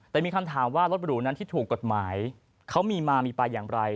แต่มีคำถามว่ารถหรูนั้นที่ถูกกฎหมายเขามีมามีไปอย่างไร